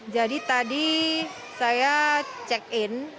tadi saya check in